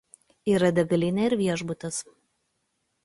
Yra degalinė ir viešbutis.